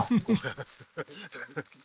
アハハハ。